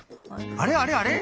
あれあれあれ？